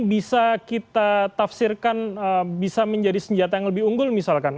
bisa kita tafsirkan bisa menjadi senjata yang lebih unggul misalkan